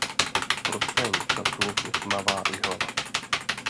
V prostém šatu je tmavá i hlava.